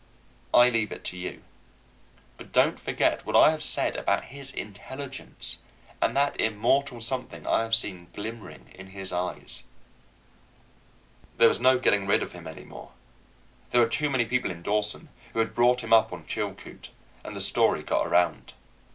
I leave it to you. But don't forget what I have said about his intelligence and that immortal something I have seen glimmering in his eyes. There was no getting rid of him any more. There were too many people in Dawson who had bought him up on Chilcoot, and the story got around.